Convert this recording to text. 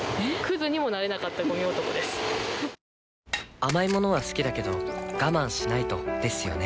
甘い物は好きだけど我慢しないとですよね